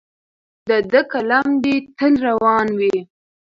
د ده قلم دې تل روان وي.